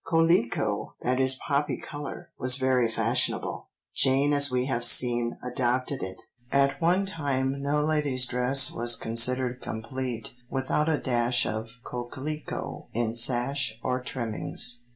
Coquelicot, that is poppy colour, was very fashionable, Jane as we have seen adopted it; at one time no lady's dress was considered complete without a dash of coquelicot in sash or trimmings.